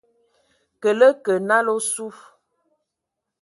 Ngǝ lǝ kǝ nalǝ a osu,